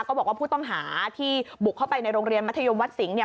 ก็บอกว่าผู้ต้องหาที่บุกเข้าไปในโรงเรียนมัธยมวัดสิงห์เนี่ย